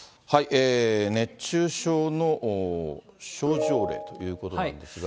熱中症の症状例ということなんですが。